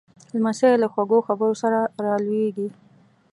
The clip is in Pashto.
لمسی له خواږه خبرو سره را لویېږي.